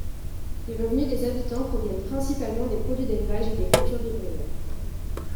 Les revenus des habitants proviennent principalement des produits d'élevage et des cultures vivrières.